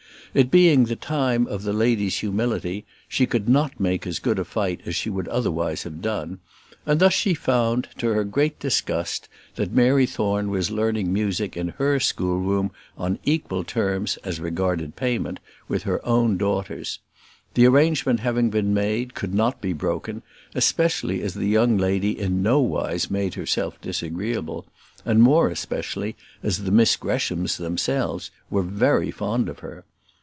It being the time of the lady's humility, she could not make as good a fight as she would otherwise have done; and thus she found, to her great disgust, that Mary Thorne was learning music in her schoolroom on equal terms, as regarded payment, with her own daughters. The arrangement having been made could not be broken, especially as the young lady in nowise made herself disagreeable; and more especially as the Miss Greshams themselves were very fond of her.